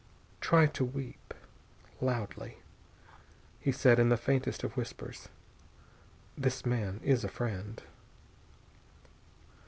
"Try to weep, loudly," he said in the faintest of whispers. "This man is a friend."